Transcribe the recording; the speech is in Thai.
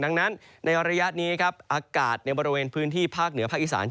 ดังนั้นในระยะนี้ครับอากาศในบริเวณพื้นที่ภาคเหนือภาคอีสาน